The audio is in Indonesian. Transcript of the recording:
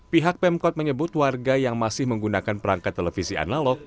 pihak pemkot menyebut warga yang masih menggunakan perangkat televisi analog